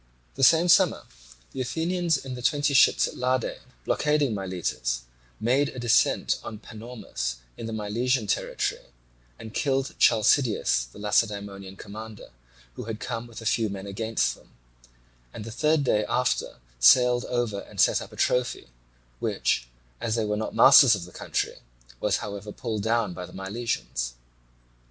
The same summer the Athenians in the twenty ships at Lade, blockading Miletus, made a descent at Panormus in the Milesian territory, and killed Chalcideus the Lacedaemonian commander, who had come with a few men against them, and the third day after sailed over and set up a trophy, which, as they were not masters of the country, was however pulled down by the Milesians.